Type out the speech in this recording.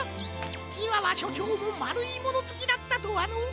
チワワしょちょうもまるいものずきだったとはのう。